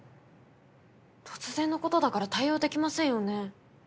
突然の事だから対応できませんよね？